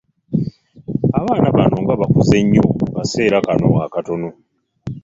Abaana bano nga bakuze nnyo mu kaseera kano akatono.